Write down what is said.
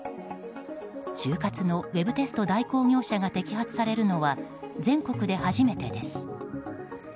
就活のウェブテスト代行業者が摘発されるのは全国で初めてです。